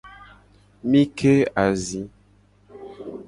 Mi ke azi.